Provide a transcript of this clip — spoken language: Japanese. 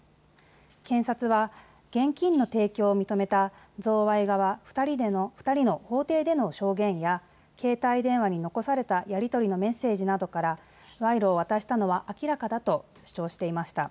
検察は現金の提供を認めた贈賄側２人の法廷での証言や携帯電話に残されたやり取りのメッセージなどから賄賂を渡したのは明らかだと主張していました。